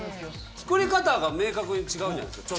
作り方が明確に違うじゃないですか。